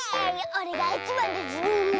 おれがいちばんだズル！